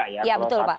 ya betul pak